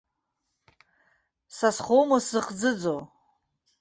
Са схоума сзыхӡыӡо?